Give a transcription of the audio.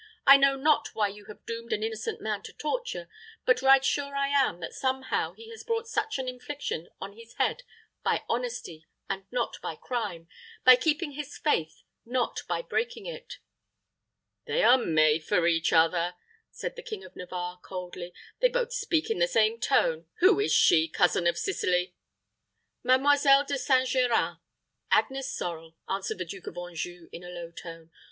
I know not why you have doomed an innocent man to torture, but right sure I am that somehow he has brought such an infliction on his head by honesty, and not by crime; by keeping his faith, not by breaking it." "They are made for each other," said the King of Navarre, coldly. "They both speak in the same tone. Who is she, cousin of Sicily?" "Mademoiselle De St. Geran Agnes Sorel," answered the Duke of Anjou, in a low tone.